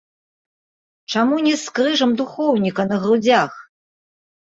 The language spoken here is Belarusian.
Чаму не з крыжам духоўніка на грудзях?